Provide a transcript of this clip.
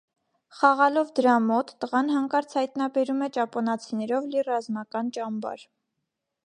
Խաղալով դրա մոտ՝ տղան հանկարծ հայտնաբերում է ճապոնացիներով լի ռազմական ճամբար։